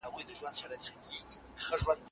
سياست د صلاحيت او قانونيت سره هم ژورې اړيکې لري.